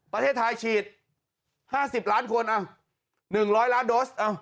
ประเทศไทยฉีด๕๐ล้านคน๑๐๐ล้านโดส